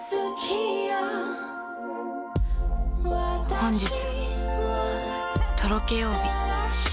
本日、とろけ曜日。